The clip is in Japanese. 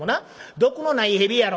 『毒のない蛇やろ』